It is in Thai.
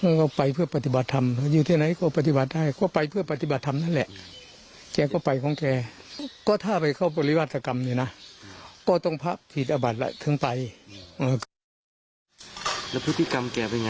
งั้นเธอไปเพื่อปฏิบัติธรรม